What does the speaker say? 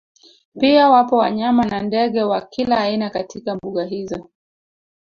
Pia wapo wanyama na ndege wa kila aina katika mbuga hizo